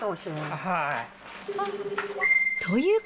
はい。